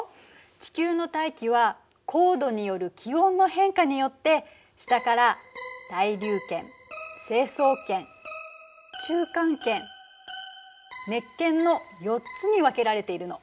地球の大気は高度による気温の変化によって下から「対流圏」「成層圏」「中間圏」「熱圏」の４つに分けられているの。